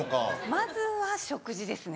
まずは食事ですね。